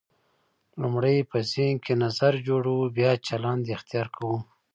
لومړی په ذهن کې نظر جوړوو بیا چلند اختیار کوو.